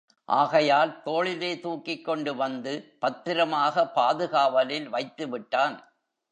ஆகையால் தோளிலே தூக்கிக்கொண்டு வந்து பத்திரமாக பாதுகாவலில் வைத்துவிட்டான்.